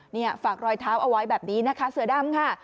นี่ฝากรอยเท้าเอาไว้แบบนี้นะคะเสือดำค่ะ